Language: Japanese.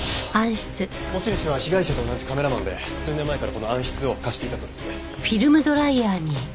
持ち主は被害者と同じカメラマンで数年前からこの暗室を貸していたそうです。